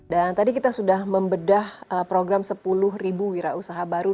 dan tadi kita sudah membedah program sepuluh wira usaha baru